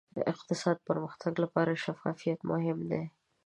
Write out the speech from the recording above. اقتصادي پرمختګ لپاره شفافیت مهم دی.